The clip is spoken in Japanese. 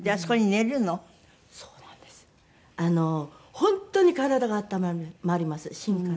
本当に体が温まります芯から。